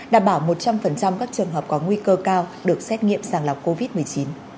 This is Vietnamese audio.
đảm bảo một trăm linh các trường hợp có nguy cơ cao được xét nghiệm sàng lọc covid một mươi chín